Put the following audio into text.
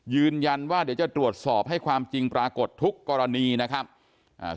ยืนยันว่าเดี๋ยวจะตรวจสอบให้ความจริงปรากฏทุกกรณีนะครับอ่า